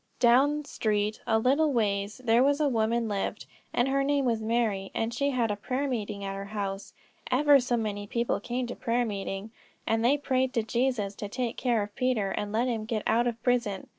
"Down street a little ways there was a woman lived, and her name was Mary, and she had a prayer meeting at her house; ever so many people came to prayer meeting, and they prayed to Jesus to take care of Peter and let him get out of prison.